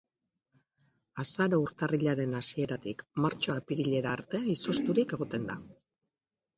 Azaro-urtarrilaren hasieratik martxo-apirilera arte izozturik egoten da.